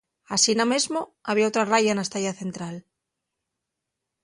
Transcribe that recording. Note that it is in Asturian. Asina mesmo, había otra raya na estaya central.